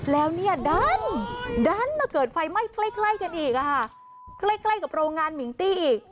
แล้วเนี่ยดันดันมาเกิดไฟไหม้ใกล้กันอีกใกล้ใกล้กับโรงงานมิงตี้อีก